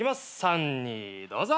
３２どうぞ。